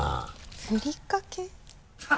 「ふりかけ」？